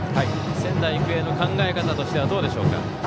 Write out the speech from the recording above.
仙台育英の考え方としてはどうでしょうか。